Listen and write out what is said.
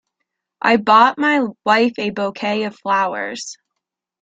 I bought my wife a Bouquet of flowers.